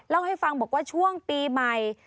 เล่าให้ฟังบอกว่าช่วงปีใหม่